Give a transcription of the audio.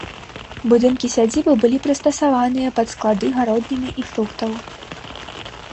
Будынкі сядзібы былі прыстасаваныя пад склады гародніны і фруктаў.